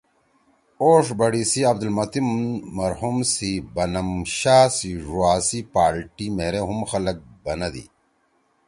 اوݜ بڑی سی عبدلمتین مرحوم سی بنم شاہ سی ڙوا سی پالٹی مھیرے ہُم خلگ بنَدی!